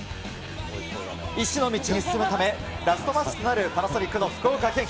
医師の道に進むため、ラストマッチとなるパナソニックの福岡堅樹。